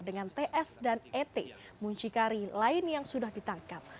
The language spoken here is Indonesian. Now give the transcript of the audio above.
dengan ts dan et muncikari lain yang sudah ditangkap